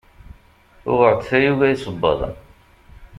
Uɣeɣ-d tayuga isebbaḍen.